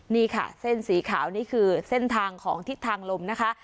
นี่ค่ะเส้นสีขาวนี่คือเส้นทางของทิศทางลมนะคะ